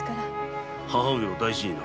母上を大事にな。